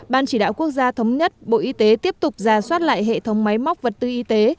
ban chỉ đạo quốc gia thống nhất bộ y tế tiếp tục ra soát lại hệ thống máy móc vật tư y tế